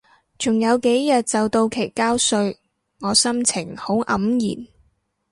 仲有幾日就到期交稅，我心情好黯然